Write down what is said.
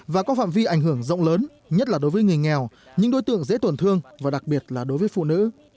và có phạm vi ảnh hưởng rộng lớn nhất là đối với người nghèo những đối tượng dễ tổn thương và đặc biệt là đối với phụ nữ